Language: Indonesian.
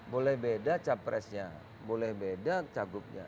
boleh beda capresnya boleh beda cagupnya